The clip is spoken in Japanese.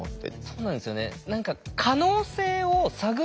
そうなんですよね。